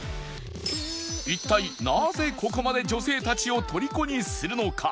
一体なぜここまで女性たちを虜にするのか？